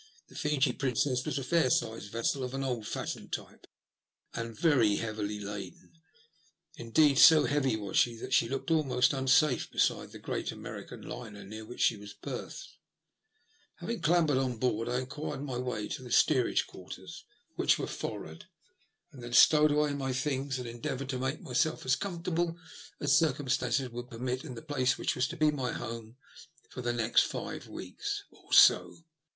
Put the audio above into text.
The Fiji Princess was a fair sized vessel of an old fashioned type, and very heavily laden; indeed, so heavy was she that she looked almost unsafe beside the great American liner near which she was berthed. THE LUST OP HATE. Ill Having clambdred on board I enquired my way to the steerage quarters, which were forrard, then stowed away my things and endeavoured to make myself as comfortable as circumstances would permit in the place which was to be my home for the next five weeks or so.